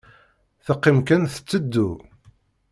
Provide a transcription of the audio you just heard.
Teqqim kan tetteddu.